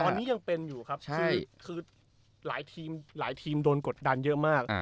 ตอนนี้ยังเป็นอยู่ครับคือหลายทีมหลายทีมโดนกดดันเยอะมาก